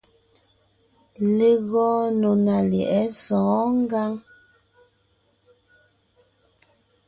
Legɔɔn nò ná lyɛ̌ʼɛ sɔ̌ɔn ngǎŋ.